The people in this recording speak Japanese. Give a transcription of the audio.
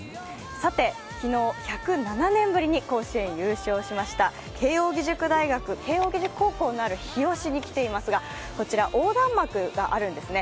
さて、昨日１０７年ぶりに甲子園優勝しました、慶応義塾高校のある日吉に来ていますがこちら横断幕があるんですね。